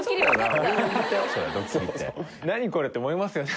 これって思いますよね